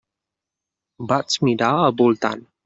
Vaig mirar al voltant.